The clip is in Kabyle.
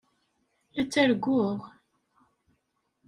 La ttarguɣ?